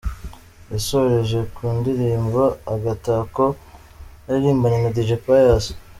Yasoreje ku ndirimbo ‘Agatako’ yaririmbanye na Dj Pius.